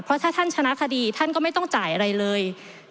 เพราะถ้าท่านชนะคดีท่านก็ไม่ต้องจ่ายอะไรเลย